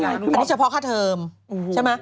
อันนี้เฉพาะค่าเทอมใช่ไหม